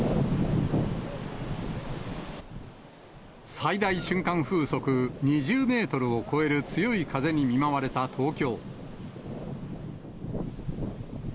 最大瞬間風速２０メートルを超える強い風に見舞われた東京。